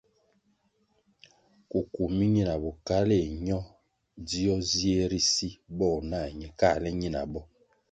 Kuku mi ñina bokaléh ño dzio zie ri si bogo nah ñe káhle ñinabo.